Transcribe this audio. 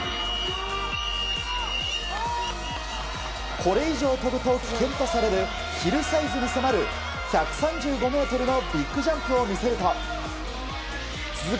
これ以上飛ぶと危険とされるヒルサイズに迫る１３５ｍのビッグジャンプを見せると続く